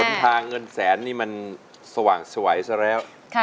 เดินทางเงินแสนนี่มันสว่างสวัยซะแล้ว